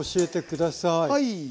はい。